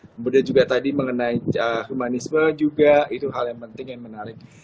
kemudian juga tadi mengenai humanisme juga itu hal yang penting yang menarik